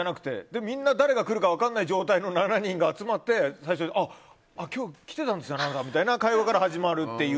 誰が来るか分からない状態の７人が集まってあっ、今日来てたんですねみたいな会話から始まる。